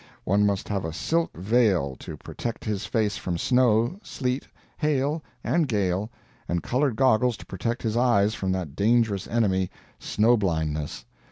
One must have a silk veil, to protect his face from snow, sleet, hail and gale, and colored goggles to protect his eyes from that dangerous enemy, snow blindness.